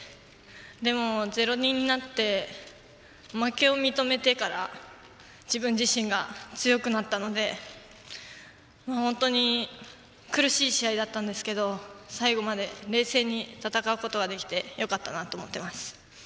でも、０−２になって負けを認めてから自分自身が強くなったので本当に苦しい試合だったんですけど最後まで冷静に戦うことができてよかったなと思っています。